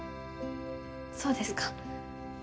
そうですか。